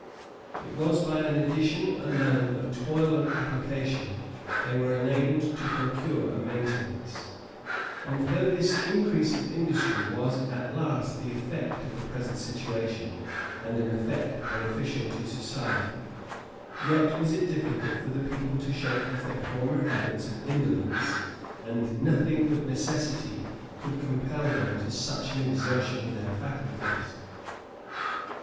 It was by an addition alone of toil and application they were enabled to procure a maintenance; and though this increase of industry was at last the effect of the present situation, and an effect beneficial to society, yet was it difficult for the people to shake off their former habits of indolence; and nothing but necessity could compel them to such an exertion of their faculties.